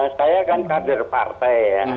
saya kan kadir partai